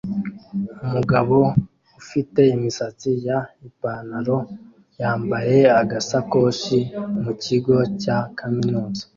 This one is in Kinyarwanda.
Umugabo ufite imisatsi ya Ipanaro yambaye agasakoshi mu kigo cya kaminuza